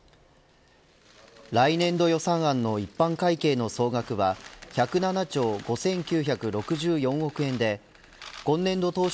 来年度予算案の一般会計の総額は１０７兆５９６４億円で今年度当初